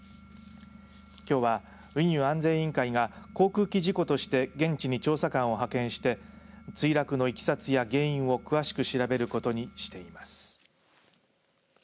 きょうは運輸安全委員会が航空機事故として現地に調査官を派遣して墜落のいきさつや原因を詳しく調べることにしています。